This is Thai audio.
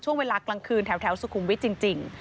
ช่วงเวลากลางคืนแถวสุขุมวิทย์จริง